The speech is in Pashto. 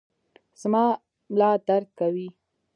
زما ملا درد کوي